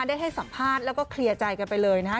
ได้ให้สัมภาษณ์แล้วก็เคลียร์ใจกันไปเลยนะฮะ